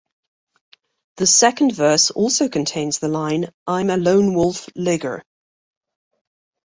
The second verse also contains the line, "I'm a lone-wolf ligger".